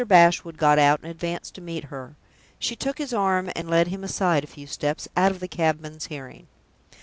Bashwood got out and advanced to meet her. She took his arm and led him aside a few steps, out of the cabman's hearing.